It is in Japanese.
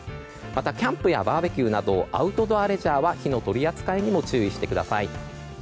またキャンプやバーベキューなどアウトドアレジャーは火の取り扱いにも注意してください。